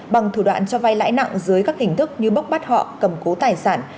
bằng thủ đoạn cho vay lãi nặng dưới các hình thức như bốc bắt họ cầm cố tài sản